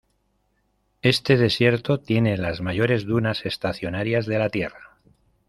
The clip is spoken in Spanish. Este desierto tiene las mayores dunas estacionarias de la Tierra.